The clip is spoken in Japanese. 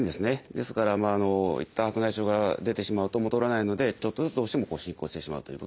ですからいったん白内障が出てしまうと戻らないのでちょっとずつどうしても進行してしまうということになります。